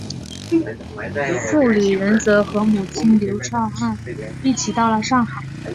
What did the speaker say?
傅履仁则和母亲刘倬汉一起到了上海。